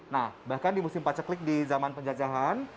nah bahkan di musim paceklik di zaman penjajahan